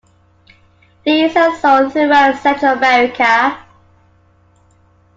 These are sold throughout Central America.